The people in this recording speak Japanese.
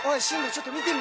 ちょっと見てみろよ